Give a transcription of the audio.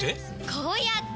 こうやって！